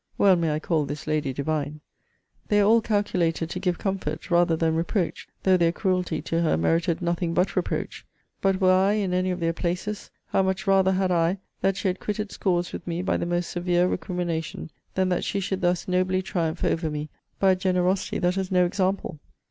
Well may I call this lady divine. They are all calculated to give comfort rather than reproach, though their cruelty to her merited nothing but reproach. But were I in any of their places, how much rather had I, that she had quitted scores with me by the most severe recrimination, than that she should thus nobly triumph over me by a generosity that has no example?